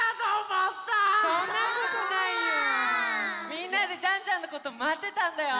みんなでジャンジャンのことまってたんだよ。